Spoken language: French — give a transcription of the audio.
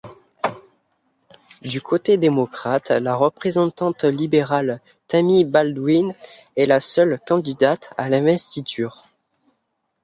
Du côté démocrate, la représentante libérale Tammy Baldwin est la seule candidate à l'investiture.